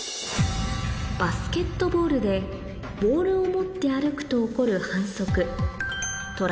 バスケットボールでボールを持って歩くと起こる